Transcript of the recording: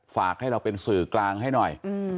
ฝากให้เราเป็นสื่อกลางให้หน่อย